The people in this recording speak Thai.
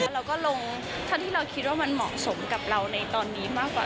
เราก็ลงเท่าที่เราคิดว่ามันเหมาะสมกับเราในตอนนี้มากกว่า